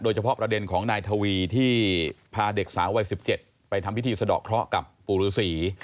เฉพาะประเด็นของนายทวีที่พาเด็กสาววัย๑๗ไปทำพิธีสะดอกเคราะห์กับปู่ฤษี